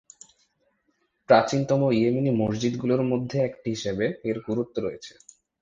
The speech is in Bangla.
প্রাচীনতম ইয়েমেনি মসজিদগুলির মধ্যে একটি হিসাবে এর গুরুত্ব রয়েছে।